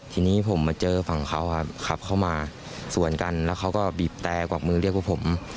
ทีนี้ผมมาเจอฝั่งเขาครับขับเข้ามาสวนกันแล้วเขาก็บีบแต่กวักมือเรียกพวกผม